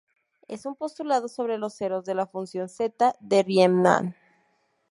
Es un postulado sobre los ceros de la función zeta de Riemann.